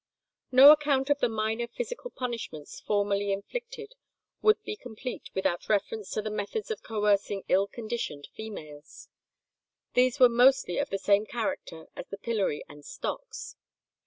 [167:1] No account of the minor physical punishments formerly inflicted would be complete without reference to the methods of coercing ill conditioned females. These were mostly of the same character as the pillory and stocks.